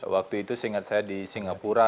waktu itu saya ingat saya di singapura